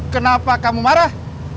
kenapa kamu marah